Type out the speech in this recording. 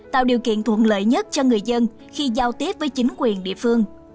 tạo điều kiện thuận lợi nhất cho người dân khi giao tiếp với chính quyền địa phương